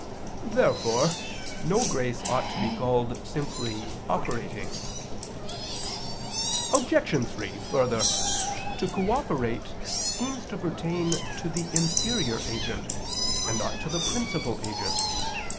Therefore no grace ought to be called simply operating. Obj. 3: Further, to cooperate seems to pertain to the inferior agent, and not to the principal agent.